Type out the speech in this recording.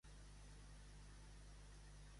Com les noies de Guardiola, amb els ganivets oberts.